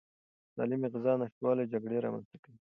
د سالمې غذا نشتوالی جګړې رامنځته کوي.